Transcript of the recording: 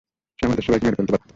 সে আমাদের সবাইকে মেরে ফেলতে পারত।